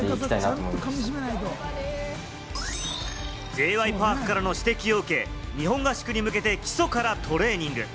Ｊ．Ｙ．Ｐａｒｋからの指摘を受け、日本合宿に向けて、基礎からトレーニング。